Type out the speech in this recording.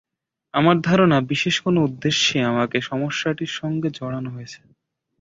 আমার ধারণা, বিশেষ কোনো উদ্দেশ্যে আমাকে সমস্যাটির সঙ্গে জড়ানো হয়েছে।